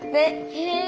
へえ。